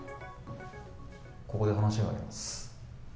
ここで話があります。